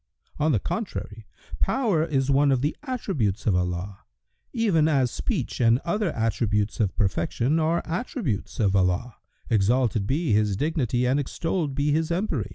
On the contrary, power is one of the attributes of Allah, even as speech and other attributes of perfection are attributes of Allah (exalted be His dignity and extolled be His empery!)